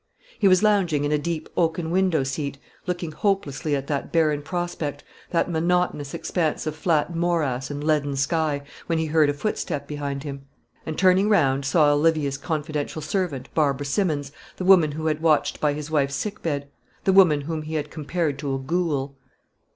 He was lounging in a deep oaken window seat, looking hopelessly at that barren prospect, that monotonous expanse of flat morass and leaden sky, when he heard a footstep behind him; and turning round saw Olivia's confidential servant, Barbara Simmons, the woman who had watched by his wife's sick bed, the woman whom he had compared to a ghoule.